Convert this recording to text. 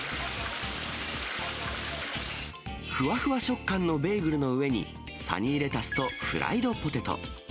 ふわふわ食感のベーグルの上に、サニーレタスとフライドポテト。